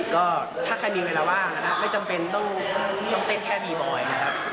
ก็ถ้าใครมีเวลาว่างนะครับไม่จำเป็นต้องเต้นแค่บีบอยนะครับ